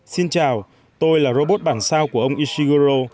xin chào tôi là robot bảng sao của ông ishiguro